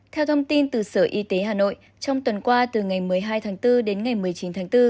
theo thông tin từ sở y tế hà nội trong tuần qua từ ngày một mươi hai tháng bốn đến ngày một mươi chín tháng bốn